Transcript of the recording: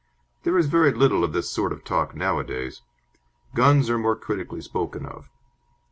There is very little of this sort of talk now a days. Guns are more critically spoken of.